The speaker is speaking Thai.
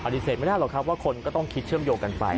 เสร็จไม่ได้หรอกครับว่าคนก็ต้องคิดเชื่อมโยงกันไป